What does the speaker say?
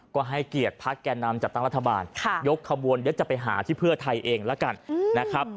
ก็ให้เกียรติพักแก่นำจัดตั้งรัฐบาลยกขบวนเดี๋ยวจะไปหาที่เพื่อไทยเองแล้วกันนะครับ